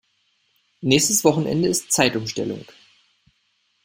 Nächstes Wochenende ist Zeitumstellung.